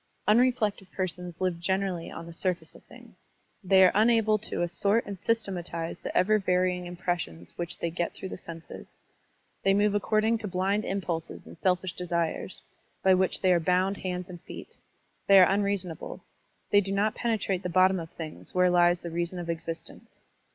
Unreflective persons live generally on the stuface of things. They are unable to assort and sys tematize the ever varying impressions which they get through the senses. They niove accord ing to blind impulses and selfish desires, by which they are bound hands and feet. They are unrea sonable. They do not penetrate the bottom of things where lies the reason of existence.